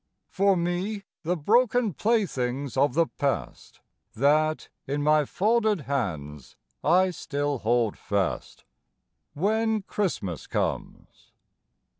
For me, the broken playthings of the past That in my folded hands I still hold fast, When Christmas comes.